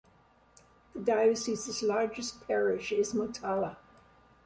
The dioecese's largest parish is Motala.